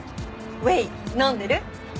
「ウェイ」のんでる？